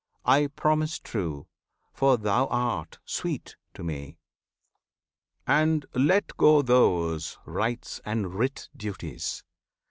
I promise true, For thou art sweet to Me! And let go those Rites and writ duties!